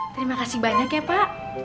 terima kasih banyak ya pak